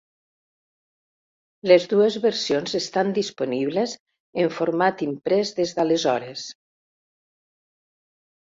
Les dues versions estan disponibles en format imprès des d'aleshores.